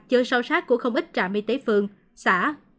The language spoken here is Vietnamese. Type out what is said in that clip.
chưa sâu sát của không ít trạm y tế phường xã